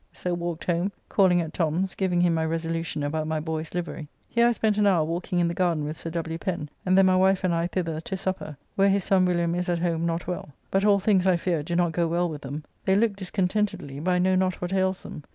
So walked home, calling at Tom's, giving him my resolution about my boy's livery. Here I spent an hour walking in the garden with Sir W. Pen, and then my wife and I thither to supper, where his son William is at home not well. But all things, I fear, do not go well with them; they look discontentedly, but I know not what ails them.